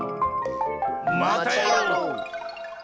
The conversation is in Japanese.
またやろう！